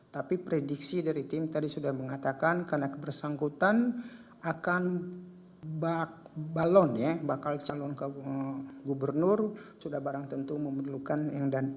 tapi prediksi dari tim tadi sudah mengatakan karena kebersangkutan akan bak balon ya bakal calon ke gubernur sudah barang tentu memerlukan yang dana yang banyak